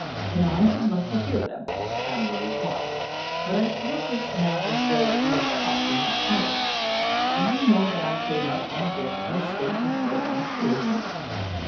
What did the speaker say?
"And I should love to hear them," Pamela replied, "but I feel just now as though we had talked enough politics. Do you know that I came up on deck in a state of great agitation?"